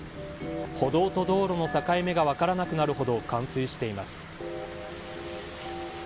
歩道と道路の境目が分からなくなるほど冠水しています。